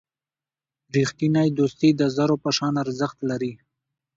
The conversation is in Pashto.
رښتینی دوستي د زرو په شان ارزښت لري.